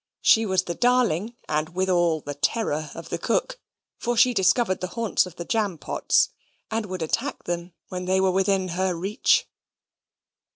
She was the darling, and withal the terror of the cook; for she discovered the haunts of the jam pots, and would attack them when they were within her reach.